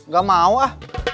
gak mau ah